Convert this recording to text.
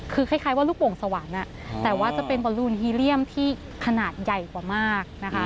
คือคล้ายว่าลูกโป่งสวรรค์แต่ว่าจะเป็นบอลลูนฮีเรียมที่ขนาดใหญ่กว่ามากนะคะ